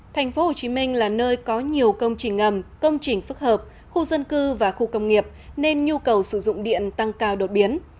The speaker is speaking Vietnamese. thành phố hồ chí minh là nơi có nhiều công trình ngầm công trình phức hợp khu dân cư và khu công nghiệp nên nhu cầu sử dụng điện tăng cao đột biến